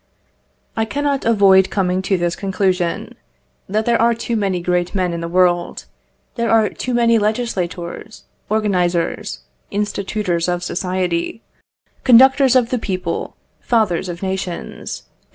I cannot avoid coming to this conclusion that there are too many great men in the world; there are too many legislators, organisers, institutors of society, conductors of the people, fathers of nations, &c.